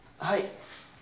はい。